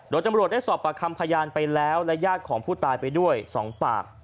โดยตำรวจได้สอบปากคำพยานไปแล้วและญาติของผู้ตายไปด้วย๒ปาก